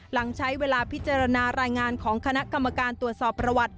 หลังใช้เวลาพิจารณารายงานของคณะกรรมการตรวจสอบประวัติ